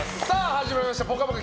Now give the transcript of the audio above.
始まりました「ぽかぽか」